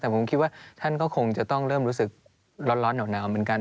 แต่ผมคิดว่าท่านก็คงจะต้องเริ่มรู้สึกร้อนหนาวเหมือนกัน